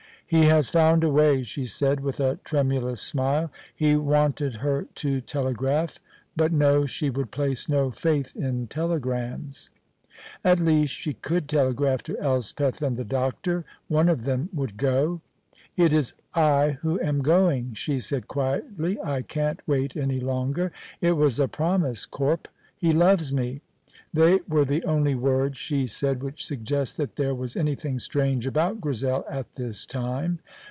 "He has found a way," she said, with a tremulous smile. He wanted her to telegraph; but no, she would place no faith in telegrams. At least she could telegraph to Elspeth and the doctor. One of them would go. "It is I who am going," she said quietly. "I can't wait any longer. It was a promise, Corp. He loves me." They were the only words she said which suggest that there was anything strange about Grizel at this time.